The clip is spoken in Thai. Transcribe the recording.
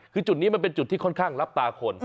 คือจุดนี้มันเป็นจุดที่ค่อนข้างรับตาคน